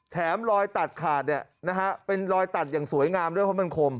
รอยตัดขาดเนี่ยนะฮะเป็นรอยตัดอย่างสวยงามด้วยเพราะมันคม